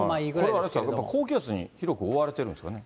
これあれですか、高気圧に広く覆われてるんですかね。